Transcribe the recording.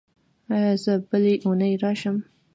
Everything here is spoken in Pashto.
ایا زه بلې اونۍ راشم؟